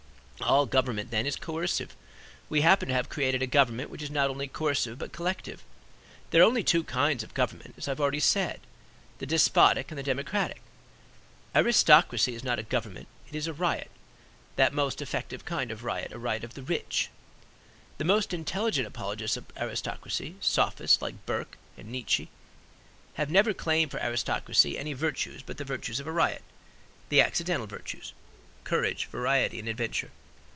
All government then is coercive; we happen to have created a government which is not only coercive; but collective. There are only two kinds of government, as I have already said, the despotic and the democratic. Aristocracy is not a government, it is a riot; that most effective kind of riot, a riot of the rich. The most intelligent apologists of aristocracy, sophists like Burke and Nietzsche, have never claimed for aristocracy any virtues but the virtues of a riot, the accidental virtues, courage, variety and adventure.